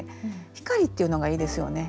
「光」っていうのがいいですよね。